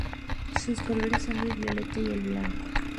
Sus colores son el violeta y el blanco.